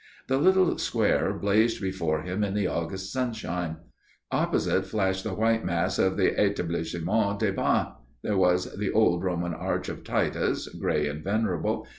The little square blazed before him in the August sunshine. Opposite flashed the white mass of the Etablissement des Bains. There was the old Roman Arch of Titus, gray and venerable.